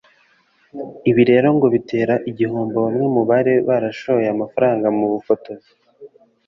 Ibi rero ngo bitera igihombo bamwe mu bari barashoye amafaranga mu bufotozi